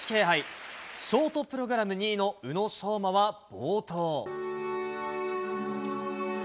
ショートプログラム２位の宇野昌磨は冒頭。